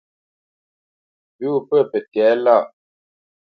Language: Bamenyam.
Pʉ̌ wo pə̂ pə tɛ̌lâʼ lâ.